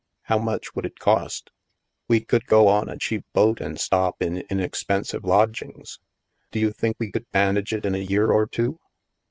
How much would it cost ? We could go on a cheap boat and stop in inexpensive lodgings? Do you think we could manage it in a year or two